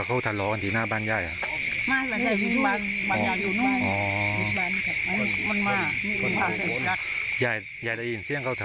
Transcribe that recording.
อ๋ออยู่ไกลแล้วนะ